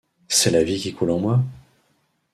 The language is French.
C’est la vie qui coule en moi !